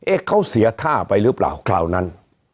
เขาเสียท่าไปหรือเปล่าคราวนั้น